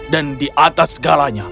dan di atas segalanya